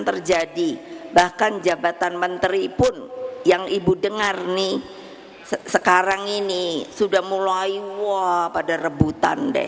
terjadi bahkan jabatan menteri pun yang ibu dengar nih sekarang ini sudah mulai wah pada rebutan deh